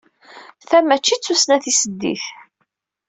Ta mačči d tussna tiseddit.